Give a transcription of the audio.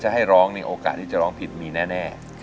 ถ้าให้ร้องเนี่ยโอกาสที่จะร้องผิดมีแน่